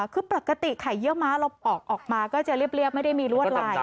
คือปรากฏิไข่เยี่ยวม้าเราปอกออกมาก็จะเรียบเรียบไม่ได้มีรวดลายอะไร